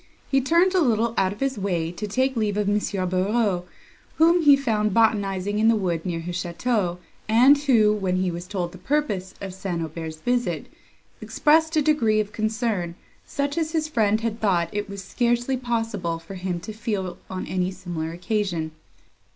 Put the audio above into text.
He turned a little out of his way to take leave of M. Barreaux, whom he found botanizing in the wood near his château, and who, when he was told the purpose of St. Aubert's visit, expressed a degree of concern, such as his friend had thought it was scarcely possible for him to feel on any similar occasion.